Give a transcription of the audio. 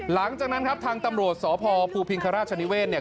หลังจากนั้นครับทางตำรวจสพภูพิงคราชนิเวศเนี่ย